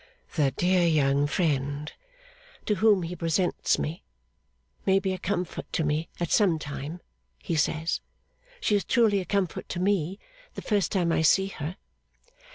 'The dear young friend to whom he presents me, may be a comfort to me at some time, he says. She is truly a comfort to me the first time I see her.